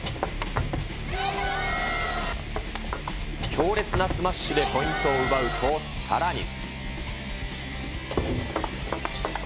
強烈なスマッシュでポイントを奪うと、さらに。